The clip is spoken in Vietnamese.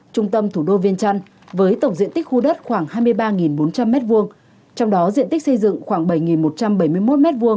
trung tâm thủ đô viên trăn với tổng diện tích khu đất khoảng hai mươi ba bốn trăm linh m hai trong đó diện tích xây dựng khoảng bảy một trăm bảy mươi một m hai